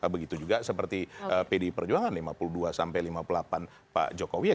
begitu juga seperti pdi perjuangan lima puluh dua sampai lima puluh delapan pak jokowi